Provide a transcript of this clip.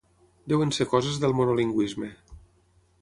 Deuen ser coses del monolingüisme.